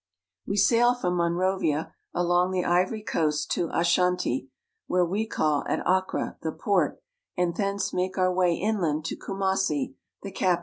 We sail from Monrovia along the Ivory Coast to Ashanti, where we call at Akkra, the port, and thence iaak& our way inland to Kumassi (koo raas'si), the capital.